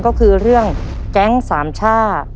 ก็คือเรื่องแก๊งสามช่า